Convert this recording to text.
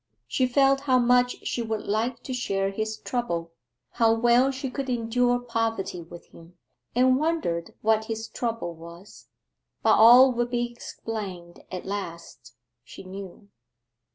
She felt how much she would like to share his trouble how well she could endure poverty with him and wondered what his trouble was. But all would be explained at last, she knew.